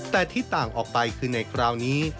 แต่ที่ต่างออกไปคือในคราวนี้